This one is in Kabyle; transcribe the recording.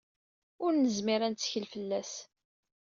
Ur nezmir ad nettkel fell-as.